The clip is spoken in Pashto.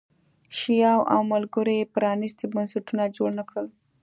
شیام او ملګرو یې پرانیستي بنسټونه جوړ نه کړل